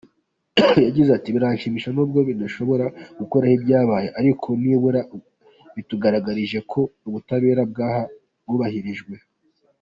Yagize ati “ Birashimishije nubwo bidashobora gukuraho ibyabaye, ariko nibura bitugaragarije ko ubutabera bwubahirijwe.